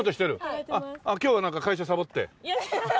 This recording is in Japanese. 今日はなんか会社サボって？